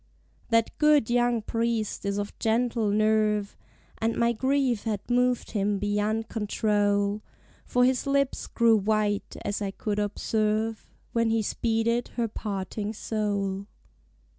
That good young Priest is of gentle nerve, And my grief had moved him beyond control; For his lips grew white, as I could observe, When he speeded her parting soul.